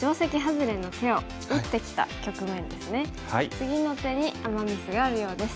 次の手にアマ・ミスがあるようです。